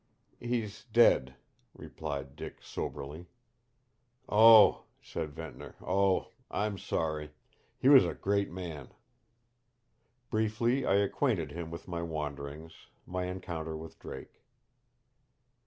"He's dead," replied Dick soberly. "Oh!" said Ventnor. "Oh I'm sorry. He was a great man." Briefly I acquainted him with my wanderings, my encounter with Drake.